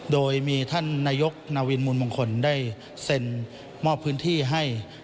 โดยมีท่านนายกนาวินมูลมงคลได้เซ็นมอบพื้นที่ให้